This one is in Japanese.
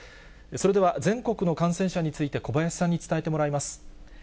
それでは全国の感染者について、小林さんに伝えてもらいます。